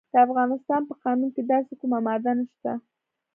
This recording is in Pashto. د افغانستان په قانون کې داسې کومه ماده نشته.